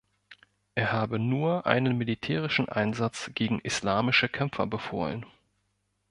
Er habe nur einen militärischen Einsatz gegen islamische Kämpfer befohlen.